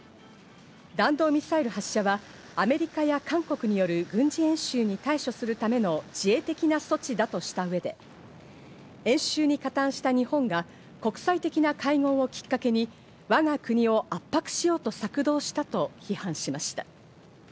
弾道ミサイル発射は、アメリカや韓国による軍事演習に対処するための自衛的な措置だとした上で、演習に加担した日本が国際的な会合をきっかけに我が国を圧迫しようと策動したと批判しました。